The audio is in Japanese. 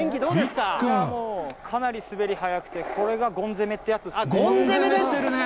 かなり滑り速くて、これがごんぜめってやつっすね。